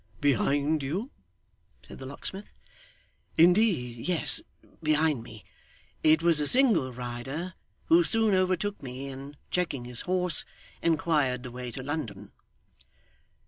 'Behind you?' said the locksmith. 'Indeed, yes behind me. It was a single rider, who soon overtook me, and checking his horse, inquired the way to London.